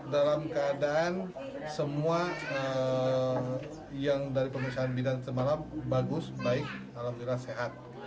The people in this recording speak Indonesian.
dalam keadaan semua yang dari pemeriksaan bidang semalam bagus baik alhamdulillah sehat